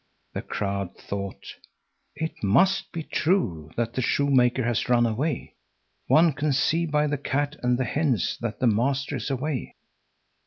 The crowd thought: "It must be true that the shoemaker has run away. One can see by the cat and the hens that the master is away."